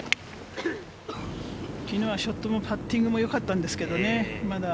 きのうはショットもパッティングも良かったんですけれどもね。